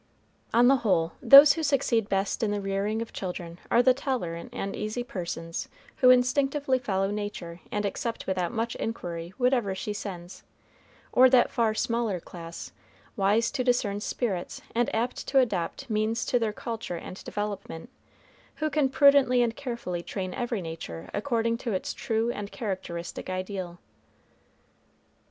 On the whole, those who succeed best in the rearing of children are the tolerant and easy persons who instinctively follow nature and accept without much inquiry whatever she sends; or that far smaller class, wise to discern spirits and apt to adopt means to their culture and development, who can prudently and carefully train every nature according to its true and characteristic ideal.